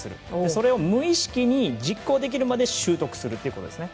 それを無意識に実行できるまで習得するということですね。